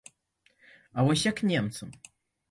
А вось як немцам?